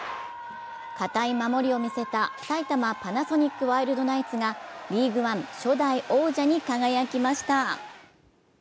堅い守りを見せた埼玉パナソニックワイルドナイツがＬＥＡＧＵＥＯＮＥ初代王者に輝きました。